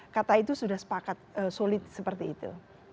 kata itu sudah sepakat solid seperti itu